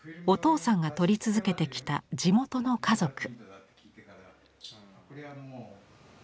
お父さんが撮り続けてきた地元の家族。